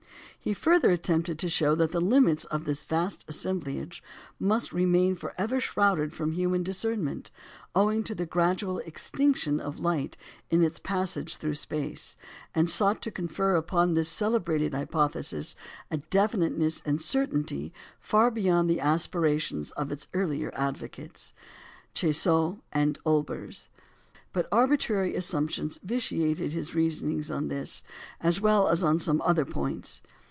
He further attempted to show that the limits of this vast assemblage must remain for ever shrouded from human discernment, owing to the gradual extinction of light in its passage through space, and sought to confer upon this celebrated hypothesis a definiteness and certainty far beyond the aspirations of its earlier advocates, Chéseaux and Olbers; but arbitrary assumptions vitiated his reasonings on this, as well as on some other points.